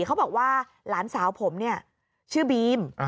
เขาบอกว่าหลานสาวผมเนี่ยชื่อบีม